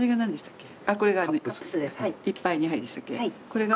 これが？